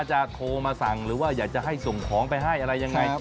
จะโทรมาสั่งหรือว่าอยากจะให้ส่งของไปให้อะไรยังไง